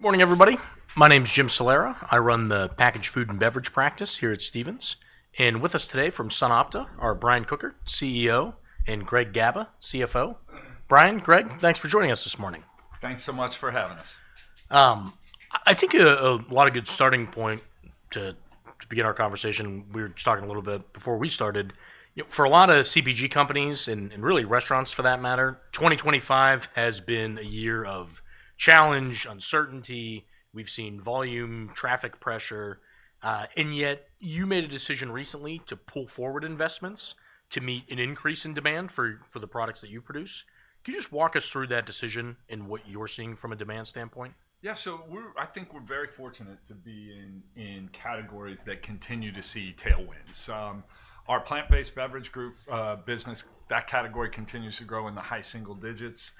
Morning, everybody. My name's Jim Salera. I run the packaged food and beverage practice here at Stephens. And with us today from SunOpta are Brian Kocher, CEO, and Greg Gaba, CFO. Brian, Greg, thanks for joining us this morning. Thanks so much for having us. I think a lot of good starting point to begin our conversation. We were talking a little bit before we started. For a lot of CPG companies and really restaurants for that matter, 2025 has been a year of challenge, uncertainty. We've seen volume, traffic pressure. Yet you made a decision recently to pull forward investments to meet an increase in demand for the products that you produce. Can you just walk us through that decision and what you're seeing from a demand standpoint? Yeah, so I think we're very fortunate to be in categories that continue to see tailwinds. Our plant-based beverage group business, that category continues to grow in the high-single digits.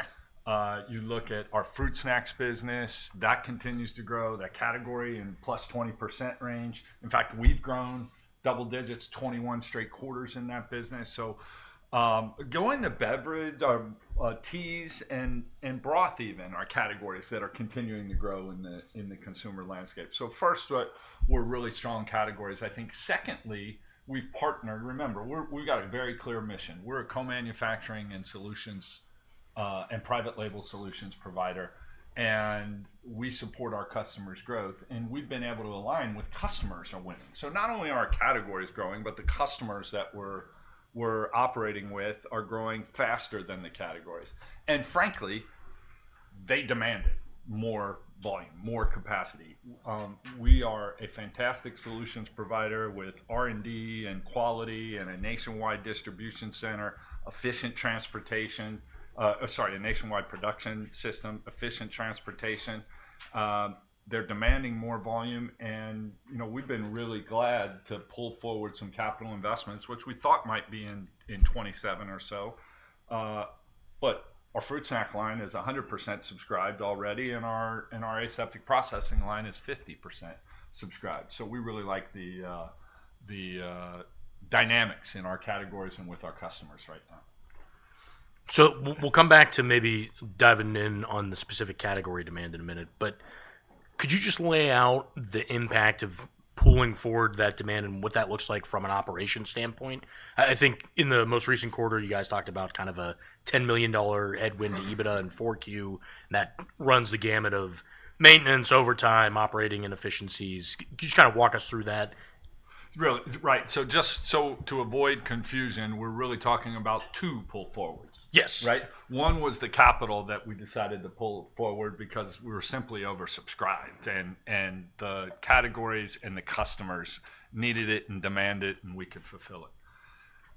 You look at our fruit snacks business, that continues to grow, that category in +20% range. In fact, we've grown double digits, 21 straight quarters in that business. Going to beverage, teas, and broth even are categories that are continuing to grow in the consumer landscape. First, we're really strong categories, I think. Secondly, we've partnered, remember, we've got a very clear mission. We're a co-manufacturing and private label solutions provider. We support our customers' growth. We've been able to align with customers of women. Not only are our categories growing, but the customers that we're operating with are growing faster than the categories. Frankly, they demanded more volume, more capacity. We are a fantastic solutions provider with R&D and quality and a nationwide distribution center, efficient transportation, sorry, a nationwide production system, efficient transportation. They're demanding more volume. We've been really glad to pull forward some capital investments, which we thought might be in 2027 or so. Our fruit snack line is 100% subscribed already. Our aseptic processing line is 50% subscribed. We really like the dynamics in our categories and with our customers right now. We'll come back to maybe diving in on the specific category demand in a minute. Could you just lay out the impact of pulling forward that demand and what that looks like from an operation standpoint? I think in the most recent quarter, you guys talked about kind of a $10 million headwind to EBITDA in 4Q. That runs the gamut of maintenance, overtime, operating, and efficiencies. Could you just kind of walk us through that? Right. So just to avoid confusion, we're really talking about two pull forwards. Yes. Right? One was the capital that we decided to pull forward because we were simply oversubscribed. The categories and the customers needed it and demanded it, and we could fulfill it.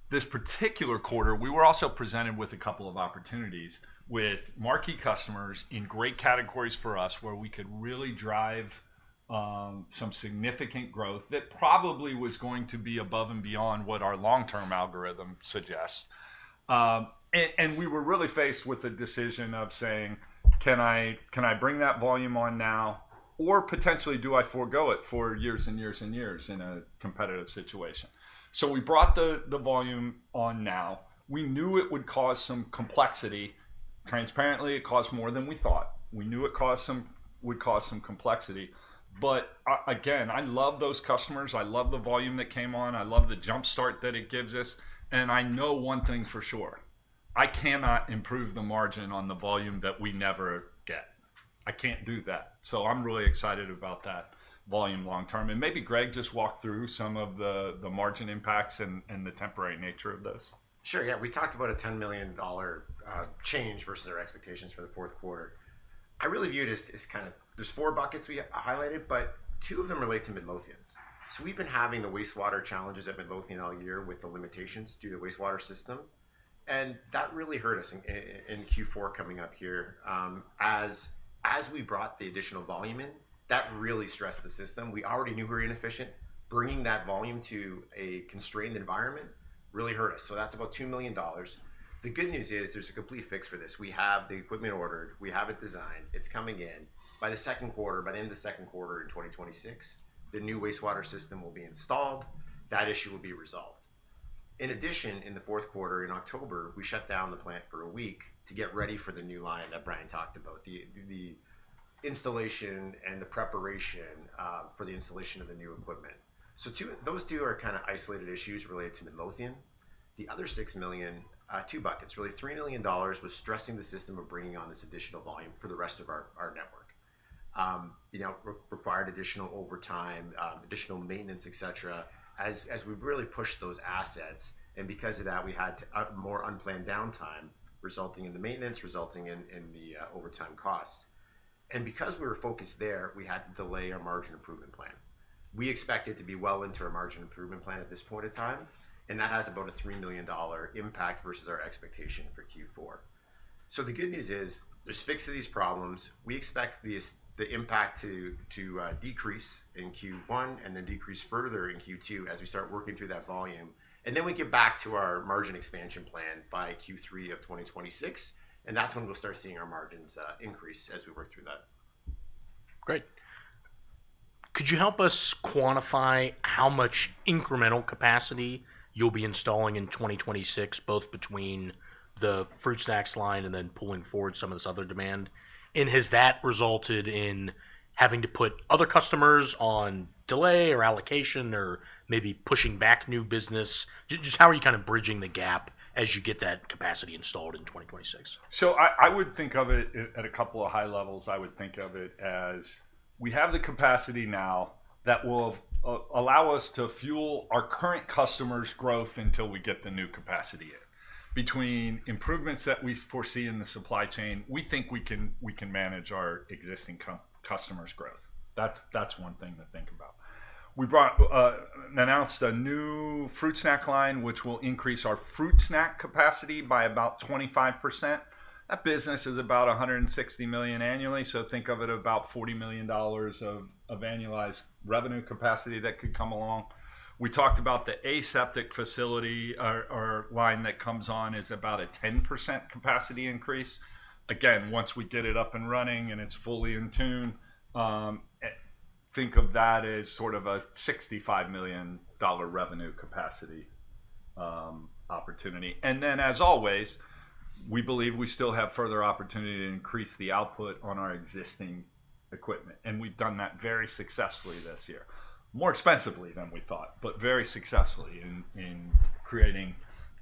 This particular quarter, we were also presented with a couple of opportunities with marquee customers in great categories for us where we could really drive some significant growth that probably was going to be above and beyond what our long-term algorithm suggests. We were really faced with the decision of saying, can I bring that volume on now, or potentially do I forego it for years and years and years in a competitive situation? We brought the volume on now. We knew it would cause some complexity. Transparently, it caused more than we thought. We knew it would cause some complexity. Again, I love those customers. I love the volume that came on. I love the jumpstart that it gives us. I know one thing for sure. I cannot improve the margin on the volume that we never get. I can't do that. I am really excited about that volume long-term. Maybe Greg, just walk through some of the margin impacts and the temporary nature of those. Sure. Yeah. We talked about a $10 million change versus our expectations for the fourth quarter. I really view it as kind of there's four buckets we highlighted, but two of them relate to Midlothian. We've been having the wastewater challenges at Midlothian all year with the limitations due to the wastewater system. That really hurt us in Q4 coming up here. As we brought the additional volume in, that really stressed the system. We already knew we were inefficient. Bringing that volume to a constrained environment really hurt us. That's about $2 million. The good news is there's a complete fix for this. We have the equipment ordered. We have it designed. It's coming in. By the second quarter, by the end of the second quarter in 2026, the new wastewater system will be installed. That issue will be resolved. In addition, in the fourth quarter, in October, we shut down the plant for a week to get ready for the new line that Brian talked about, the installation and the preparation for the installation of the new equipment. Those two are kind of isolated issues related to Midlothian. The other $6 million, two buckets, really $3 million was stressing the system of bringing on this additional volume for the rest of our network. It required additional overtime, additional maintenance, et cetera, as we really pushed those assets. Because of that, we had more unplanned downtime, resulting in the maintenance, resulting in the overtime costs. Because we were focused there, we had to delay our margin improvement plan. We expected to be well into our margin improvement plan at this point in time. That has about a $3 million impact versus our expectation for Q4. The good news is there's a fix to these problems. We expect the impact to decrease in Q1 and then decrease further in Q2 as we start working through that volume. We get back to our margin expansion plan by Q3 of 2026. That's when we'll start seeing our margins increase as we work through that. Great. Could you help us quantify how much incremental capacity you'll be installing in 2026, both between the fruit snacks line and then pulling forward some of this other demand? Has that resulted in having to put other customers on delay or allocation or maybe pushing back new business? Just how are you kind of bridging the gap as you get that capacity installed in 2026? I would think of it at a couple of high levels. I would think of it as we have the capacity now that will allow us to fuel our current customers' growth until we get the new capacity in. Between improvements that we foresee in the supply chain, we think we can manage our existing customers' growth. That's one thing to think about. We announced a new fruit snack line, which will increase our fruit snack capacity by about 25%. That business is about $160 million annually. Think of it as about $40 million of annualized revenue capacity that could come along. We talked about the aseptic facility, our line that comes on is about a 10% capacity increase. Again, once we get it up and running and it's fully in tune, think of that as sort of a $65 million revenue capacity opportunity. We believe we still have further opportunity to increase the output on our existing equipment. We have done that very successfully this year, more expensively than we thought, but very successfully in creating,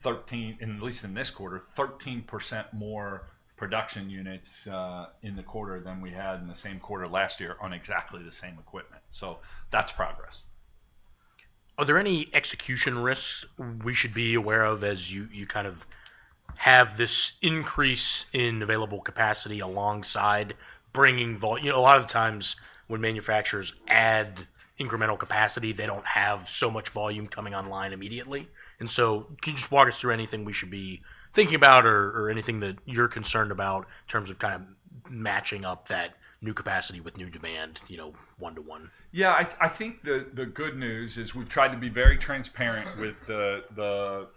at least in this quarter, 13% more production units in the quarter than we had in the same quarter last year on exactly the same equipment. That is progress. Are there any execution risks we should be aware of as you kind of have this increase in available capacity alongside bringing volume? A lot of the times when manufacturers add incremental capacity, they do not have so much volume coming online immediately. Can you just walk us through anything we should be thinking about or anything that you are concerned about in terms of kind of matching up that new capacity with new demand one-to-one? Yeah. I think the good news is we've tried to be very transparent with the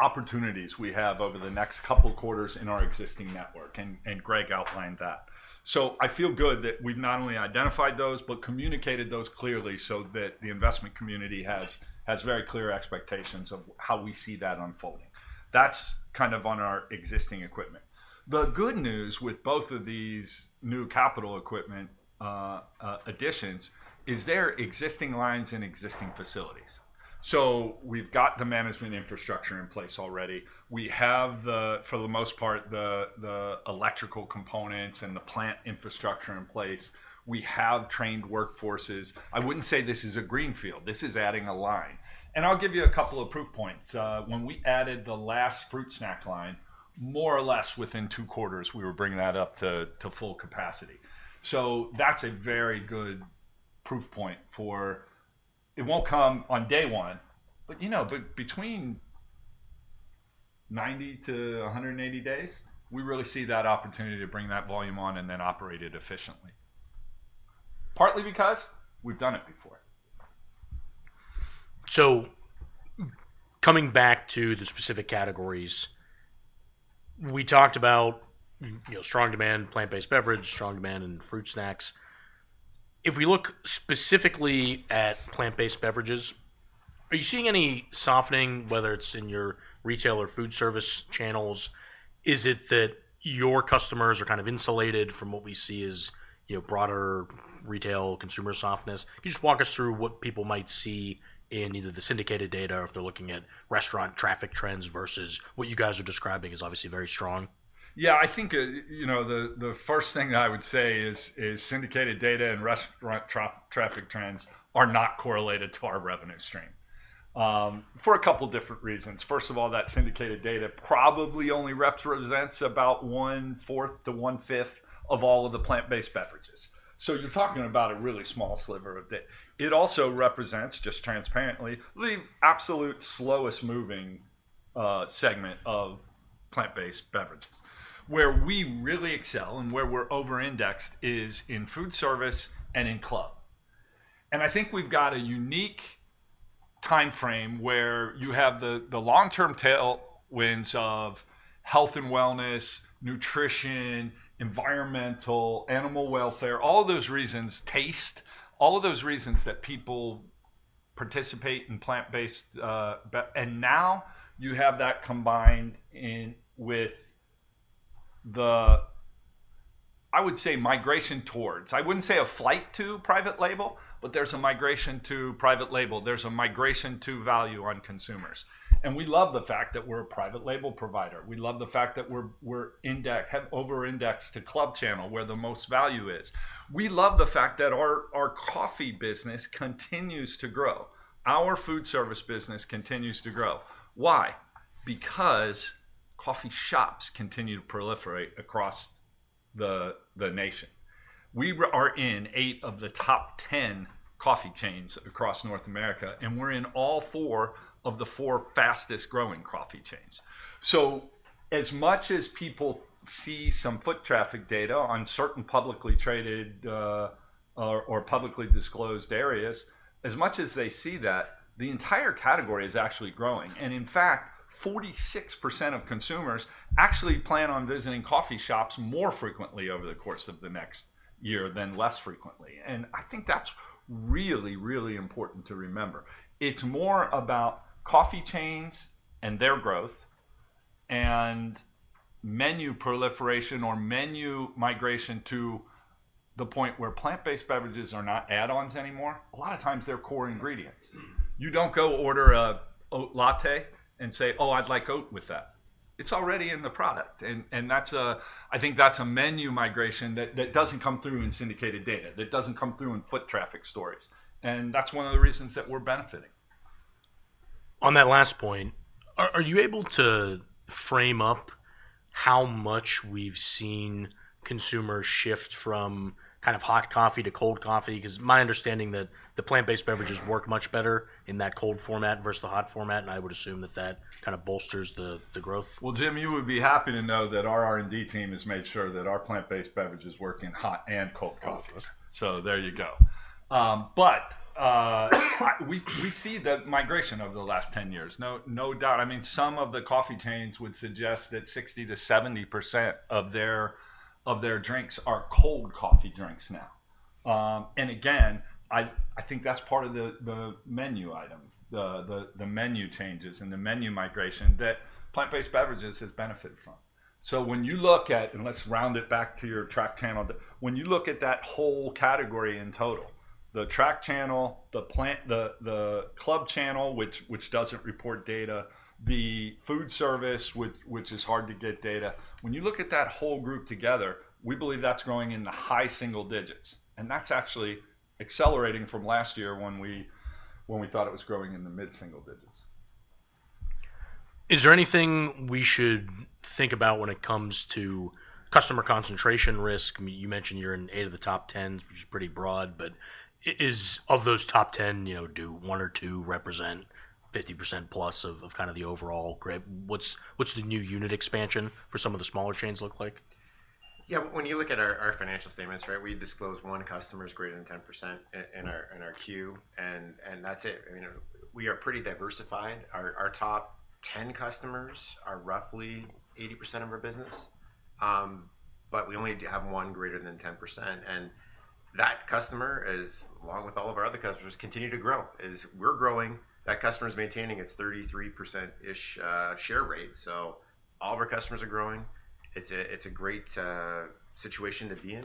opportunities we have over the next couple of quarters in our existing network. Greg outlined that. I feel good that we've not only identified those, but communicated those clearly so that the investment community has very clear expectations of how we see that unfolding. That's kind of on our existing equipment. The good news with both of these new capital equipment additions is they're existing lines and existing facilities. We've got the management infrastructure in place already. We have, for the most part, the electrical components and the plant infrastructure in place. We have trained workforces. I wouldn't say this is a greenfield. This is adding a line. I'll give you a couple of proof points. When we added the last fruit snack line, more or less within two quarters, we were bringing that up to full capacity. That is a very good proof point for it will not come on day one, but between 90-180 days, we really see that opportunity to bring that volume on and then operate it efficiently. Partly because we have done it before. Coming back to the specific categories, we talked about strong demand, plant-based beverage, strong demand, and fruit snacks. If we look specifically at plant-based beverages, are you seeing any softening, whether it's in your retail or food service channels? Is it that your customers are kind of insulated from what we see as broader retail consumer softness? Can you just walk us through what people might see in either the syndicated data or if they're looking at restaurant traffic trends versus what you guys are describing is obviously very strong? Yeah. I think the first thing that I would say is syndicated data and restaurant traffic trends are not correlated to our revenue stream for a couple of different reasons. First of all, that syndicated data probably only represents about 1/4 to 1/5 of all of the plant-based beverages. You are talking about a really small sliver of it. It also represents, just transparently, the absolute slowest-moving segment of plant-based beverages. Where we really excel and where we are over-indexed is in food service and in club. I think we have a unique timeframe where you have the long-term tailwinds of health and wellness, nutrition, environmental, animal welfare, all of those reasons, taste, all of those reasons that people participate in plant-based. Now you have that combined with the, I would say, migration towards, I would not say a flight to private label, but there is a migration to private label. There's a migration to value on consumers. We love the fact that we're a private label provider. We love the fact that we're over-indexed to club channel where the most value is. We love the fact that our coffee business continues to grow. Our food service business continues to grow. Why? Because coffee shops continue to proliferate across the nation. We are in eight of the top 10 coffee chains across North America, and we're in all four of the four fastest-growing coffee chains. As much as people see some foot traffic data on certain publicly traded or publicly disclosed areas, as much as they see that, the entire category is actually growing. In fact, 46% of consumers actually plan on visiting coffee shops more frequently over the course of the next year than less frequently. I think that's really, really important to remember. It's more about coffee chains and their growth and menu proliferation or menu migration to the point where plant-based beverages are not add-ons anymore. A lot of times they're core ingredients. You don't go order a latte and say, "Oh, I'd like oat with that." It's already in the product. I think that's a menu migration that doesn't come through in syndicated data, that doesn't come through in foot traffic stories. That's one of the reasons that we're benefiting. On that last point, are you able to frame up how much we've seen consumers shift from kind of hot coffee to cold coffee? Because my understanding that the plant-based beverages work much better in that cold format versus the hot format. I would assume that that kind of bolsters the growth. Jim, you would be happy to know that our R&D team has made sure that our plant-based beverages work in hot and cold coffee. There you go. We see the migration over the last 10 years. No doubt. I mean, some of the coffee chains would suggest that 60%-70% of their drinks are cold coffee drinks now. Again, I think that's part of the menu item, the menu changes, and the menu migration that plant-based beverages have benefited from. When you look at, and let's round it back to your track channel, when you look at that whole category in total, the track channel, the club channel, which does not report data, the food service, which is hard to get data, when you look at that whole group together, we believe that's growing in the high-single digits. That's actually accelerating from last year when we thought it was growing in the mid-single digits. Is there anything we should think about when it comes to customer concentration risk? You mentioned you're in eight of the top 10, which is pretty broad. Of those top 10, do one or two represent 50%+ of kind of the overall grid? What's the new unit expansion for some of the smaller chains look like? Yeah. When you look at our financial statements, right, we disclose one customer is greater than 10% in our queue. That's it. We are pretty diversified. Our top 10 customers are roughly 80% of our business. We only have one greater than 10%. That customer, along with all of our other customers, continues to grow. We're growing. That customer is maintaining its 33%-ish share rate. All of our customers are growing. It's a great situation to be in.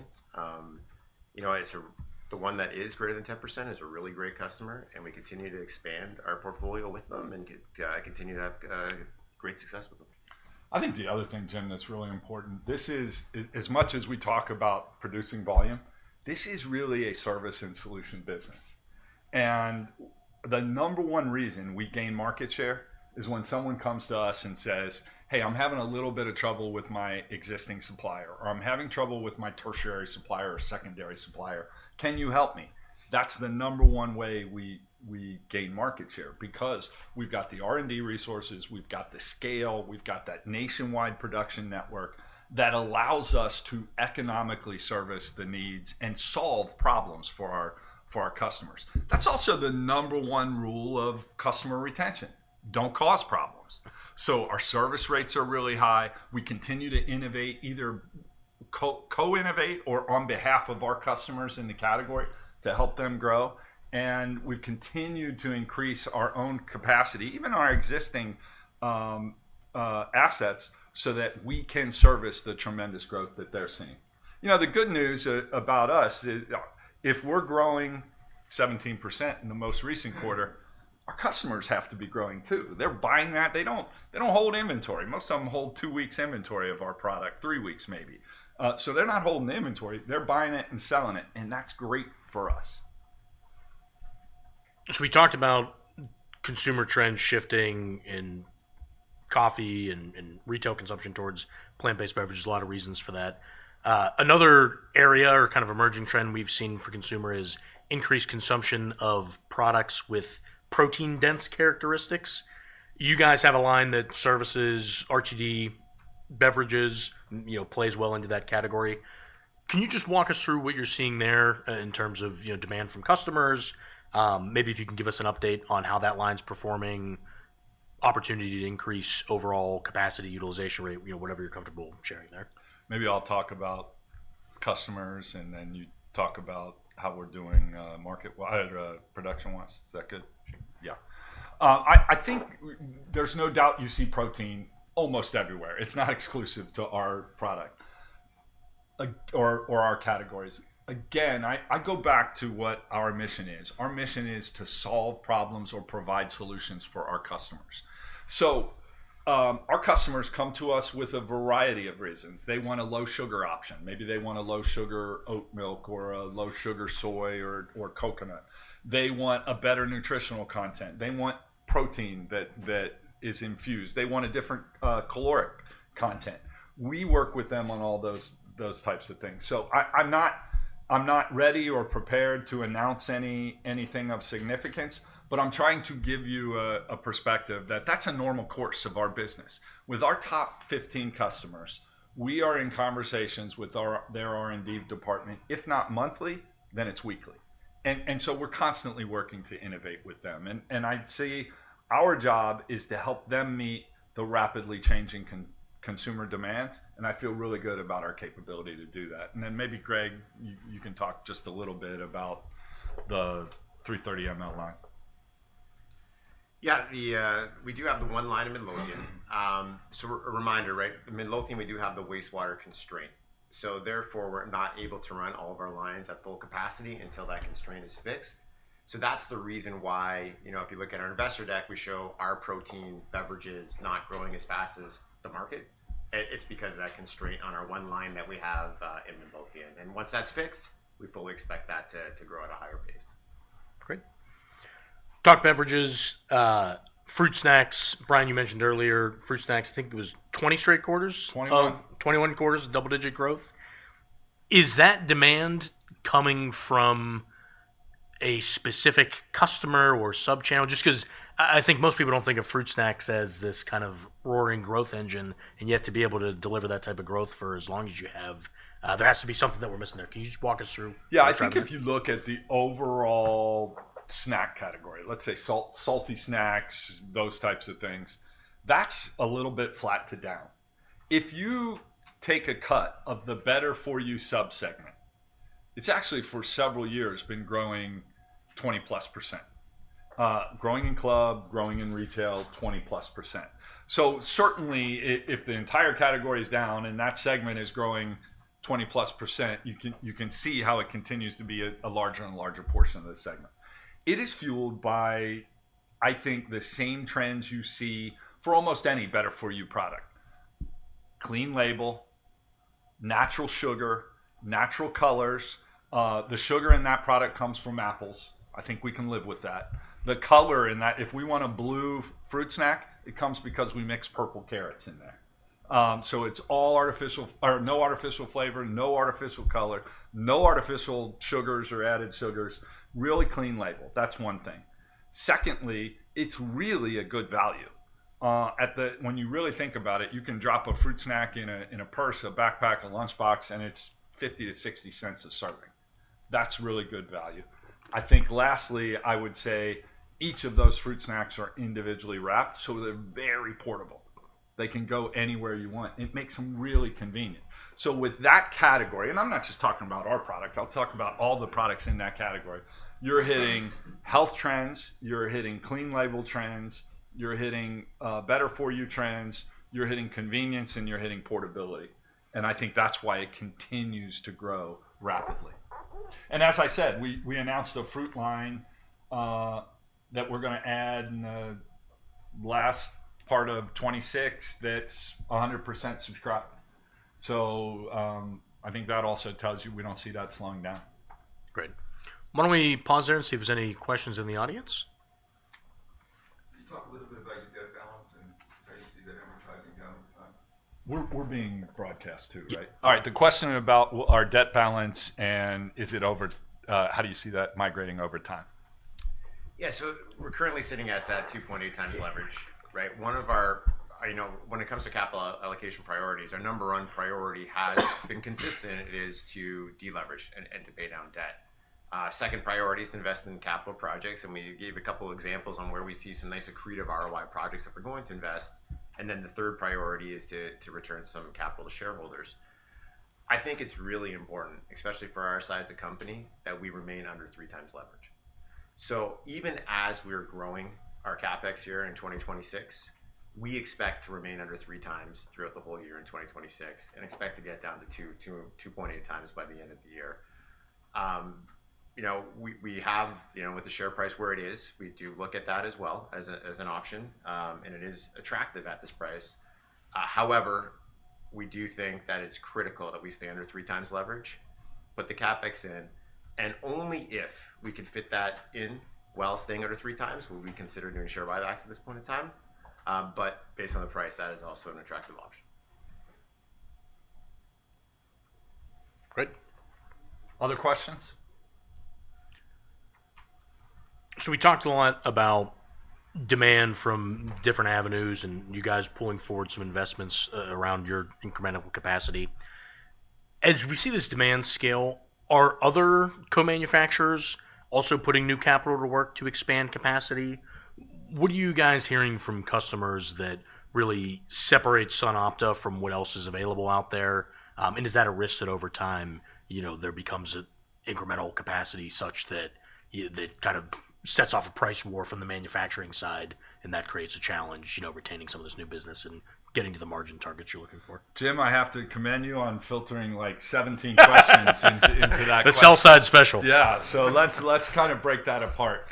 The one that is greater than 10% is a really great customer. We continue to expand our portfolio with them and continue to have great success with them. I think the other thing, Jim, that's really important, as much as we talk about producing volume, this is really a service and solution business. The number one reason we gain market share is when someone comes to us and says, "Hey, I'm having a little bit of trouble with my existing supplier," or, "I'm having trouble with my tertiary supplier or secondary supplier. Can you help me?" That's the number one way we gain market share because we've got the R&D resources, we've got the scale, we've got that nationwide production network that allows us to economically service the needs and solve problems for our customers. That's also the number one rule of customer retention. Don't cause problems. Our service rates are really high. We continue to innovate, either co-innovate or on behalf of our customers in the category to help them grow. We have continued to increase our own capacity, even our existing assets, so that we can service the tremendous growth that they are seeing. The good news about us is if we are growing 17% in the most recent quarter, our customers have to be growing too. They are buying that. They do not hold inventory. Most of them hold two weeks' inventory of our product, three weeks maybe. They are not holding the inventory. They are buying it and selling it. That is great for us. We talked about consumer trends shifting in coffee and retail consumption towards plant-based beverages. A lot of reasons for that. Another area or kind of emerging trend we've seen for consumers is increased consumption of products with protein-dense characteristics. You guys have a line that services RTD beverages, plays well into that category. Can you just walk us through what you're seeing there in terms of demand from customers? Maybe if you can give us an update on how that line's performing, opportunity to increase overall capacity utilization rate, whatever you're comfortable sharing there. Maybe I'll talk about customers and then you talk about how we're doing market-wide, production-wise. Is that good? Yeah. I think there's no doubt you see protein almost everywhere. It's not exclusive to our product or our categories. Again, I go back to what our mission is. Our mission is to solve problems or provide solutions for our customers. Our customers come to us with a variety of reasons. They want a low-sugar option. Maybe they want a low-sugar oat milk or a low-sugar soy or coconut. They want a better nutritional content. They want protein that is infused. They want a different caloric content. We work with them on all those types of things. I'm not ready or prepared to announce anything of significance, but I'm trying to give you a perspective that that's a normal course of our business. With our top 15 customers, we are in conversations with their R&D department. If not monthly, then it's weekly. We are constantly working to innovate with them. I'd say our job is to help them meet the rapidly changing consumer demands. I feel really good about our capability to do that. Maybe Greg, you can talk just a little bit about the 330 mL line. Yeah. We do have the one line in Midlothian. A reminder, right? In Midlothian, we do have the wastewater constraint. Therefore, we're not able to run all of our lines at full capacity until that constraint is fixed. That's the reason why if you look at our investor deck, we show our protein beverages not growing as fast as the market. It's because of that constraint on our one line that we have in Midlothian. Once that's fixed, we fully expect that to grow at a higher pace. Great. Duck beverages, fruit snacks. Brian, you mentioned earlier fruit snacks. I think it was 20 straight quarters. 21. 21 quarters, double-digit growth. Is that demand coming from a specific customer or sub-channel? Just because I think most people do not think of fruit snacks as this kind of roaring growth engine. Yet to be able to deliver that type of growth for as long as you have, there has to be something that we are missing there. Can you just walk us through? Yeah. I think if you look at the overall snack category, let's say salty snacks, those types of things, that's a little bit flat to down. If you take a cut of the better-for-you sub-segment, it's actually for several years been growing 20+%. Growing in club, growing in retail, 20+%. Certainly, if the entire category is down and that segment is growing 20+%, you can see how it continues to be a larger and larger portion of the segment. It is fueled by, I think, the same trends you see for almost any better-for-you product. Clean label, natural sugar, natural colors. The sugar in that product comes from apples. I think we can live with that. The color in that, if we want a blue fruit snack, it comes because we mix purple carrots in there. It's all artificial or no artificial flavor, no artificial color, no artificial sugars or added sugars. Really clean label. That's one thing. Secondly, it's really a good value. When you really think about it, you can drop a fruit snack in a purse, a backpack, a lunchbox, and it's $0.50- $0.60 a serving. That's really good value. I think lastly, I would say each of those fruit snacks are individually wrapped. They're very portable. They can go anywhere you want. It makes them really convenient. With that category, and I'm not just talking about our product, I'll talk about all the products in that category. You're hitting health trends. You're hitting clean label trends. You're hitting better-for-you trends. You're hitting convenience and you're hitting portability. I think that's why it continues to grow rapidly. As I said, we announced a fruit line that we're going to add in the last part of 2026 that's 100% subscribed. I think that also tells you we don't see that slowing down. Great. Why don't we pause there and see if there's any questions in the audience? Can you talk a little bit about your debt balance and how you see that amortizing down over time? We're being broadcast too, right? All right. The question about our debt balance and is it over, how do you see that migrating over time? Yeah. So we're currently sitting at that 2.8x leverage, right? One of our, when it comes to capital allocation priorities, our number one priority has been consistent. It is to deleverage and to pay down debt. Second priority is to invest in capital projects. We gave a couple of examples on where we see some nice accretive ROI projects that we're going to invest. The third priority is to return some capital to shareholders. I think it's really important, especially for our size of company, that we remain under 3x leverage. Even as we're growing our CapEx here in 2026, we expect to remain under three times throughout the whole year in 2026 and expect to get down to 2.8x by the end of the year. We have, with the share price where it is, we do look at that as well as an option. It is attractive at this price. However, we do think that it's critical that we stay under three times leverage, put the CapEx in. Only if we can fit that in while staying under three times would we consider doing share buybacks at this point in time. Based on the price, that is also an attractive option. Great. Other questions? We talked a lot about demand from different avenues and you guys pulling forward some investments around your incremental capacity. As we see this demand scale, are other co-manufacturers also putting new capital to work to expand capacity? What are you guys hearing from customers that really separates SunOpta from what else is available out there? Is that a risk that over time there becomes an incremental capacity such that it kind of sets off a price war from the manufacturing side and that creates a challenge retaining some of this new business and getting to the margin targets you're looking for? Jim, I have to commend you on filtering like 17 questions into that question. The sell-side special. Yeah. Let's kind of break that apart.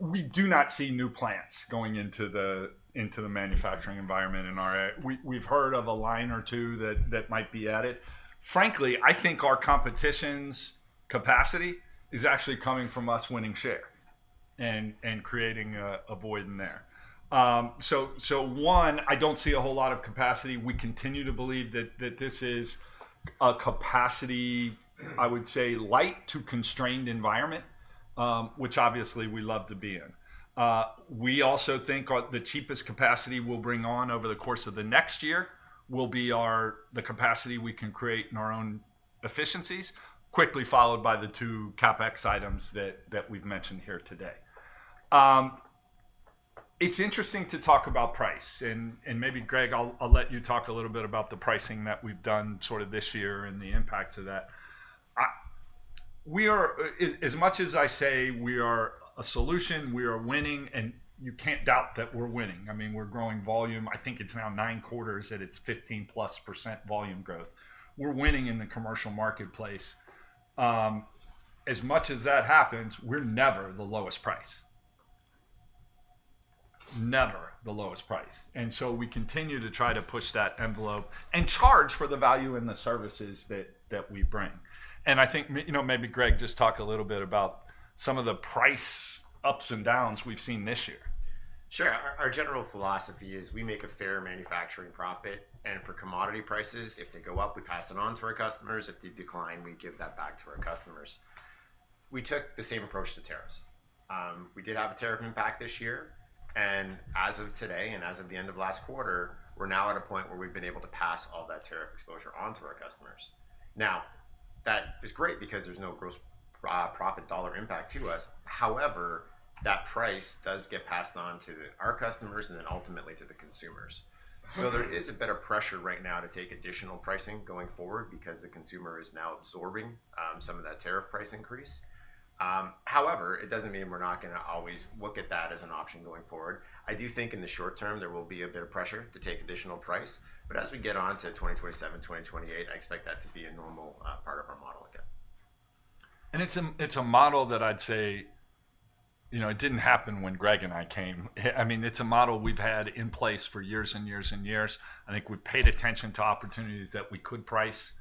We do not see new plants going into the manufacturing environment in our area. We've heard of a line or two that might be added. Frankly, I think our competition's capacity is actually coming from us winning share and creating a void in there. One, I don't see a whole lot of capacity. We continue to believe that this is a capacity, I would say, light to constrained environment, which obviously we love to be in. We also think the cheapest capacity we'll bring on over the course of the next year will be the capacity we can create in our own efficiencies, quickly followed by the two CapEx items that we've mentioned here today. It's interesting to talk about price. Maybe, Greg, I'll let you talk a little bit about the pricing that we've done sort of this year and the impacts of that. As much as I say we are a solution, we are winning, and you can't doubt that we're winning. I mean, we're growing volume. I think it's now nine quarters that it's 15%+ volume growth. We're winning in the commercial marketplace. As much as that happens, we're never the lowest price. Never the lowest price. We continue to try to push that envelope and charge for the value in the services that we bring. I think maybe, Greg, just talk a little bit about some of the price ups and downs we've seen this year. Sure. Our general philosophy is we make a fair manufacturing profit. For commodity prices, if they go up, we pass it on to our customers. If they decline, we give that back to our customers. We took the same approach to tariffs. We did have a tariff impact this year. As of today and as of the end of last quarter, we're now at a point where we've been able to pass all that tariff exposure on to our customers. That is great because there's no gross profit dollar impact to us. However, that price does get passed on to our customers and then ultimately to the consumers. There is a better pressure right now to take additional pricing going forward because the consumer is now absorbing some of that tariff price increase. However, it doesn't mean we're not going to always look at that as an option going forward. I do think in the short term, there will be a better pressure to take additional price. As we get on to 2027, 2028, I expect that to be a normal part of our model again. It's a model that I'd say it didn't happen when Greg and I came. I mean, it's a model we've had in place for years and years and years. I think we've paid attention to opportunities that we could price.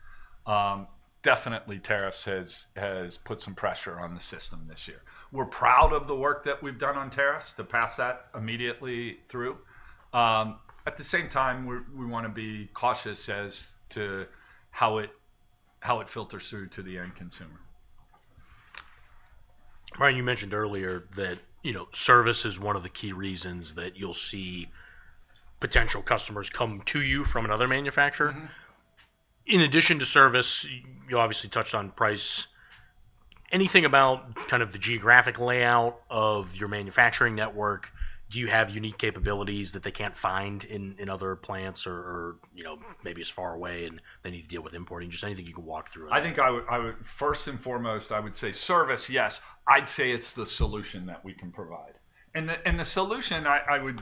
Definitely, tariffs have put some pressure on the system this year. We're proud of the work that we've done on tariffs to pass that immediately through. At the same time, we want to be cautious as to how it filters through to the end consumer. Brian, you mentioned earlier that service is one of the key reasons that you'll see potential customers come to you from another manufacturer. In addition to service, you obviously touched on price. Anything about kind of the geographic layout of your manufacturing network? Do you have unique capabilities that they can't find in other plants or maybe as far away and they need to deal with importing? Just anything you can walk through it. I think first and foremost, I would say service, yes. I'd say it's the solution that we can provide. The solution, I would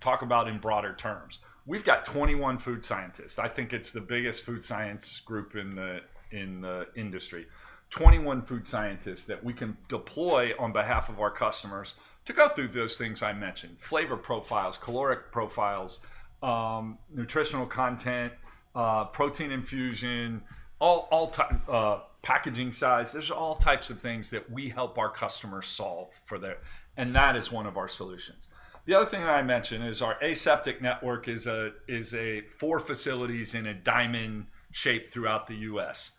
talk about in broader terms. We've got 21 food scientists. I think it's the biggest food science group in the industry. 21 food scientists that we can deploy on behalf of our customers to go through those things I mentioned: flavor profiles, caloric profiles, nutritional content, protein infusion, all packaging size. There are all types of things that we help our customers solve for there. That is one of our solutions. The other thing that I mentioned is our aseptic network is four facilities in a diamond shape throughout the U.S.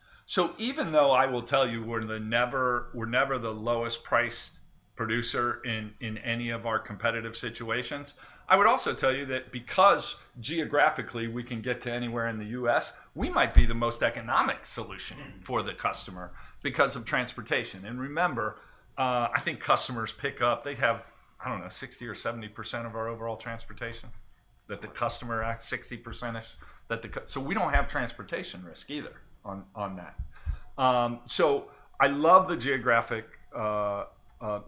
Even though I will tell you we're never the lowest-priced producer in any of our competitive situations, I would also tell you that because geographically we can get to anywhere in the U.S., we might be the most economic solution for the customer because of transportation. Remember, I think customers pick up. They have, I don't know, 60% or 70% of our overall transportation, that the customer acts 60%. We don't have transportation risk either on that. I love the geographic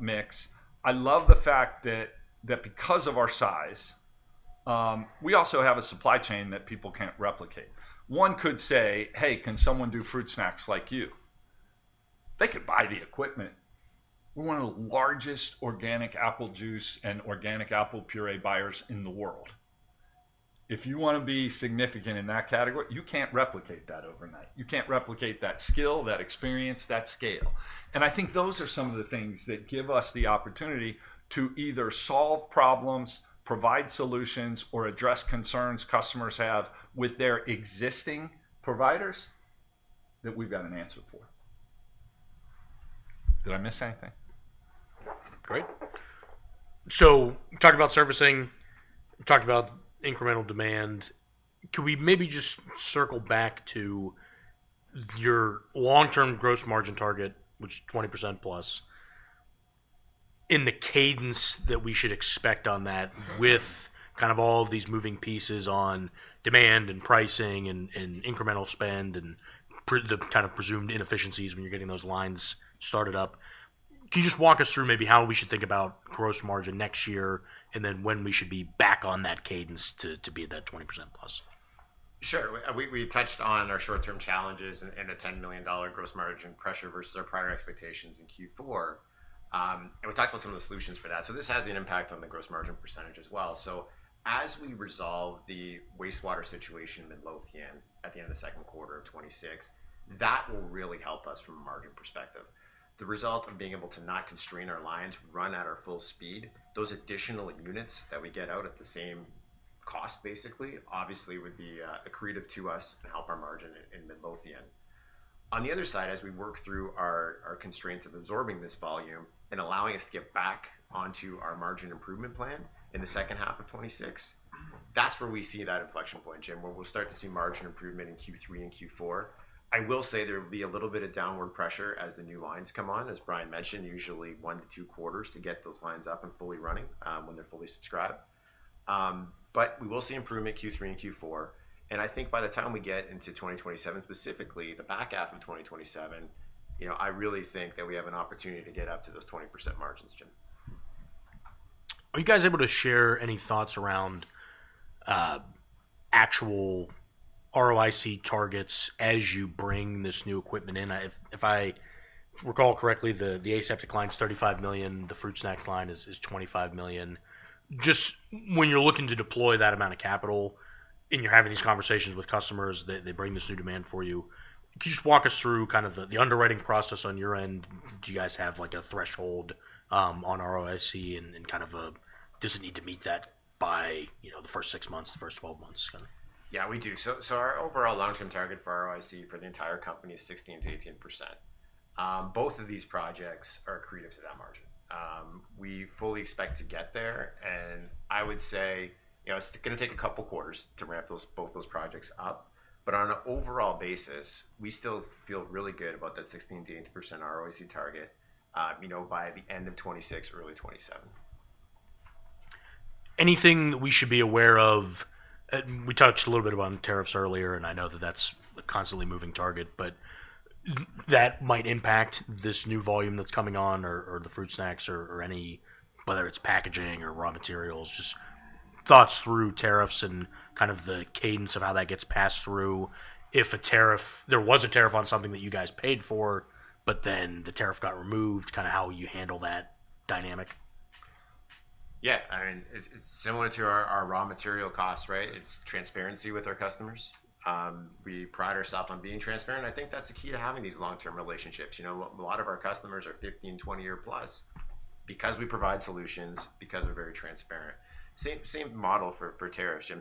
mix. I love the fact that because of our size, we also have a supply chain that people can't replicate. One could say, "Hey, can someone do fruit snacks like you?" They could buy the equipment. We're one of the largest organic apple juice and organic apple puree buyers in the world. If you want to be significant in that category, you can't replicate that overnight. You can't replicate that skill, that experience, that scale. I think those are some of the things that give us the opportunity to either solve problems, provide solutions, or address concerns customers have with their existing providers that we've got an answer for. Did I miss anything? Great. Talking about servicing, talking about incremental demand, can we maybe just circle back to your long-term gross margin target, which is 20%+, and the cadence that we should expect on that with kind of all of these moving pieces on demand and pricing and incremental spend and the kind of presumed inefficiencies when you're getting those lines started up? Can you just walk us through maybe how we should think about gross margin next year and then when we should be back on that cadence to be at that 20%+? Sure. We touched on our short-term challenges and the $10 million gross margin pressure versus our prior expectations in Q4. We talked about some of the solutions for that. This has an impact on the gross margin percentage as well. As we resolve the wastewater situation in Midlothian at the end of the second quarter of 2026, that will really help us from a margin perspective. The result of being able to not constrain our lines, run at our full speed, those additional units that we get out at the same cost basically, obviously would be accretive to us and help our margin in Midlothian. On the other side, as we work through our constraints of absorbing this volume and allowing us to get back onto our margin improvement plan in the second half of 2026, that's where we see that inflection point, Jim, where we'll start to see margin improvement in Q3 and Q4. I will say there will be a little bit of downward pressure as the new lines come on, as Brian mentioned, usually one to two quarters to get those lines up and fully running when they're fully subscribed. We will see improvement Q3 and Q4. I think by the time we get into 2027, specifically the back half of 2027, I really think that we have an opportunity to get up to those 20% margins, Jim. Are you guys able to share any thoughts around actual ROIC targets as you bring this new equipment in? If I recall correctly, the aseptic line is $35 million. The fruit snacks line is $25 million. Just when you're looking to deploy that amount of capital and you're having these conversations with customers that they bring this new demand for you, can you just walk us through kind of the underwriting process on your end? Do you guys have a threshold on ROIC and kind of a does it need to meet that by the first six months, the first 12 months? Yeah, we do. Our overall long-term target for ROIC for the entire company is 16%-18%. Both of these projects are accretive to that margin. We fully expect to get there. I would say it's going to take a couple of quarters to ramp both those projects up. On an overall basis, we still feel really good about that 16%-18% ROIC target by the end of 2026, early 2027. Anything we should be aware of? We touched a little bit about tariffs earlier, and I know that that's a constantly moving target, but that might impact this new volume that's coming on or the fruit snacks or any, whether it's packaging or raw materials, just thoughts through tariffs and kind of the cadence of how that gets passed through. If there was a tariff on something that you guys paid for, but then the tariff got removed, kind of how you handle that dynamic? Yeah. I mean, it's similar to our raw material costs, right? It's transparency with our customers. We pride ourselves on being transparent. I think that's the key to having these long-term relationships. A lot of our customers are 15, 20 year plus because we provide solutions, because we're very transparent. Same model for tariffs, Jim.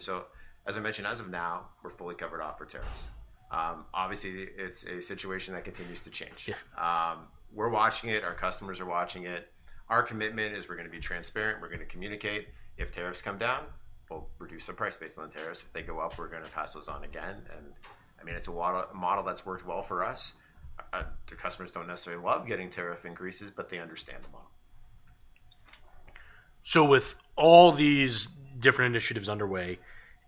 As I mentioned, as of now, we're fully covered off for tariffs. Obviously, it's a situation that continues to change. We're watching it. Our customers are watching it. Our commitment is we're going to be transparent. We're going to communicate. If tariffs come down, we'll reduce the price based on the tariffs. If they go up, we're going to pass those on again. I mean, it's a model that's worked well for us. The customers don't necessarily love getting tariff increases, but they understand the model. With all these different initiatives underway,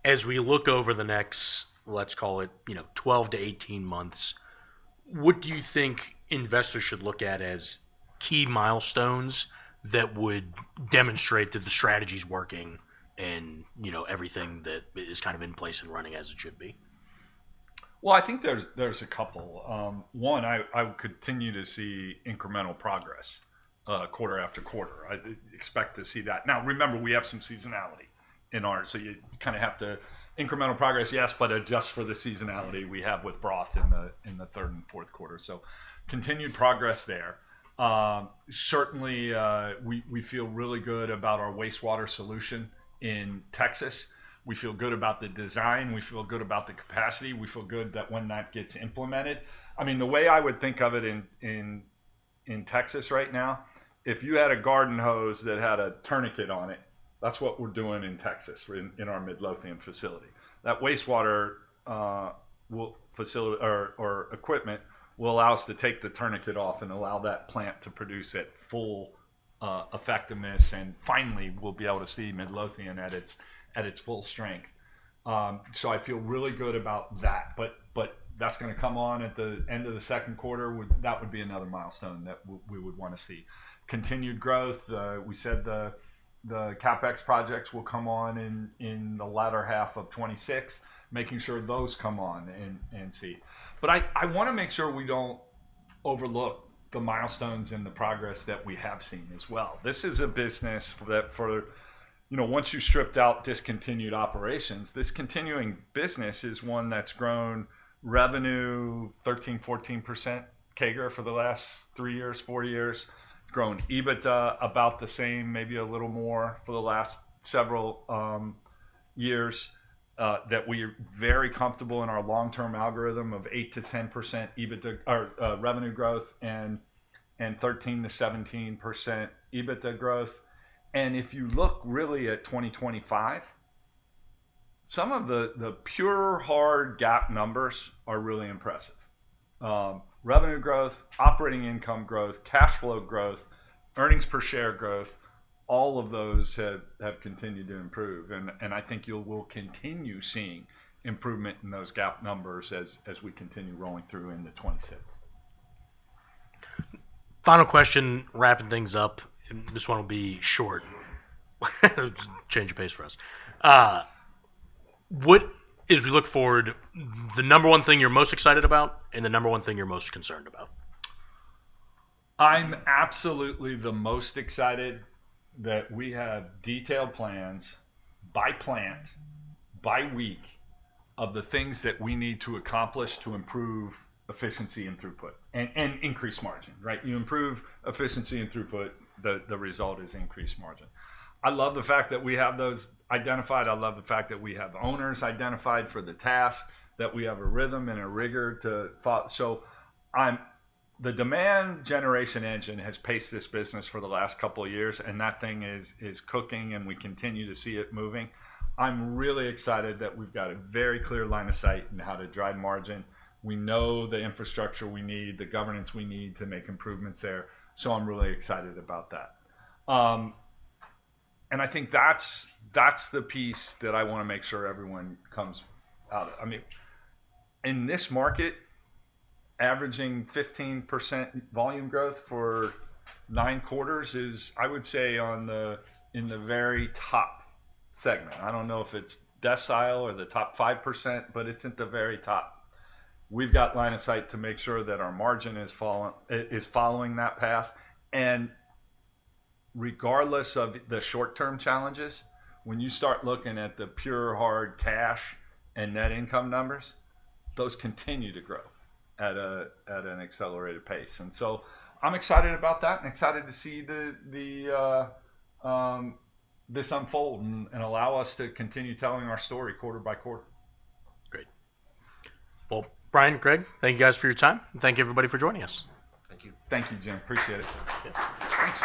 as we look over the next, let's call it 12-18 months, what do you think investors should look at as key milestones that would demonstrate that the strategy is working and everything that is kind of in place and running as it should be? I think there's a couple. One, I would continue to see incremental progress quarter after quarter. I expect to see that. Now, remember, we have some seasonality in ours, so you kind of have to incremental progress, yes, but adjust for the seasonality we have with broth in the third and fourth quarter. Continued progress there. Certainly, we feel really good about our wastewater solution in Texas. We feel good about the design. We feel good about the capacity. We feel good that when that gets implemented. I mean, the way I would think of it in Texas right now, if you had a garden hose that had a tourniquet on it, that's what we're doing in Texas in our Midlothian facility. That wastewater facility or equipment will allow us to take the tourniquet off and allow that plant to produce at full effectiveness. Finally, we'll be able to see Midlothian at its full strength. I feel really good about that. That's going to come on at the end of the second quarter. That would be another milestone that we would want to see. Continued growth. We said the CapEx projects will come on in the latter half of 2026, making sure those come on and see. I want to make sure we don't overlook the milestones and the progress that we have seen as well. This is a business that for once you stripped out discontinued operations, this continuing business is one that's grown revenue 13%-14% CAGR for the last three years, four years. Grown EBITDA about the same, maybe a little more for the last several years that we are very comfortable in our long-term algorithm of 8%-10% revenue growth and 13%-17% EBITDA growth. If you look really at 2025, some of the pure hard GAAP numbers are really impressive. Revenue growth, operating income growth, cash flow growth, earnings per share growth, all of those have continued to improve. I think you will continue seeing improvement in those GAAP numbers as we continue rolling through into 2026. Final question, wrapping things up. This one will be short. Change of pace for us. As we look forward, the number one thing you're most excited about and the number one thing you're most concerned about? I'm absolutely the most excited that we have detailed plans by plant, by week of the things that we need to accomplish to improve efficiency and throughput and increase margin, right? You improve efficiency and throughput, the result is increased margin. I love the fact that we have those identified. I love the fact that we have owners identified for the task, that we have a rhythm and a rigor to follow. The demand generation engine has paced this business for the last couple of years, and that thing is cooking, and we continue to see it moving. I'm really excited that we've got a very clear line of sight in how to drive margin. We know the infrastructure we need, the governance we need to make improvements there. I'm really excited about that. I think that's the piece that I want to make sure everyone comes out of. I mean, in this market, averaging 15% volume growth for nine quarters is, I would say, in the very top segment. I don't know if it's decile or the top 5%, but it's at the very top. We've got line of sight to make sure that our margin is following that path. Regardless of the short-term challenges, when you start looking at the pure hard cash and net income numbers, those continue to grow at an accelerated pace. I'm excited about that and excited to see this unfold and allow us to continue telling our story quarter by quarter. Great. Brian, Greg, thank you guys for your time. Thank you, everybody, for joining us. Thank you. Thank you, Jim. Appreciate it. Thanks.